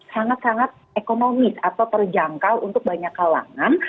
sangat sangat ekonomis atau terjangkau untuk banyak kalangan